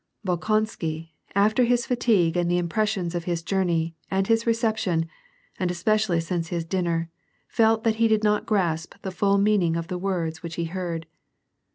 Bolkonsky, after his fatigue and the impressions of his jour ney, and his reception, and especially since his dinner, felt that he did not grasp the full meaning of the words which he heard.